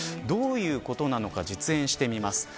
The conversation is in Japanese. どういうことなのか実演してみます。